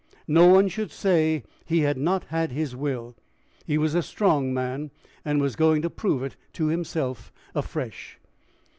No one should say he had not had his will! He was a strong man, and was going to prove it to himself afresh!